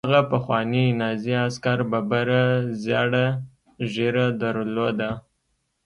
هغه پخواني نازي عسکر ببره زیړه ږیره درلوده